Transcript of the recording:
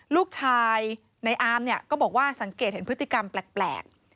ลูกชายในอามเนี่ยก็บอกว่าสังเกตเห็นพฤติกรรมแปลก